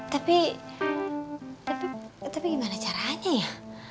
tapi gimana caranya ya